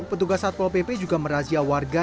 petugas satpol pp juga merazia warga